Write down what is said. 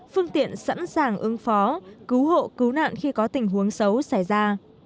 phương tiện sẵn sàng ứng phó cứu hộ cứu nạn khi có tình huống xấu xảy ra